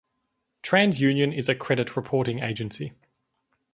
TransUnion is a credit reporting agency.